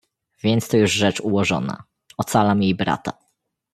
"Więc to już rzecz ułożona... ocalam jej brata."